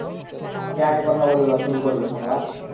কে আগে কথা বলবে বা শুরু করবে সংলাপ?